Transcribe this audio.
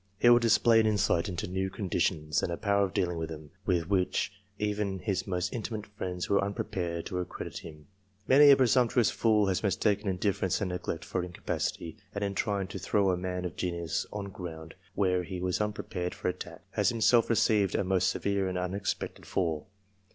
He will display an insight into new con ditions, and a power of dealing with them, with which even his most intimate friends were unprepared to accredit him. Many a presumptuous fool has mistaken indifference and neglect for incapacity ; and in trying to throw a man of fenius on ground where he was unprepared for attack, has imself received a most severe and unexpected fall.